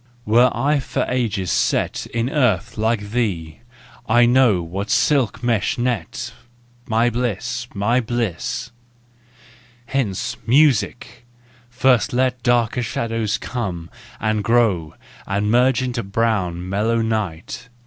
Were I for ages set In earth like thee, I know what silk meshed net. ,.. My bliss ! My bliss ! Hence, music! First let darker shadows come, And grow, and merge into brown, mellow night!